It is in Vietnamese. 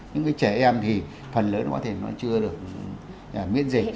những cái trẻ em thì phần lớn có thể nó chưa được miễn dịch